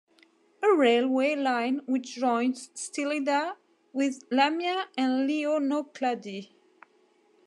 A railway line which joins Stylida with Lamia and Lianokladi.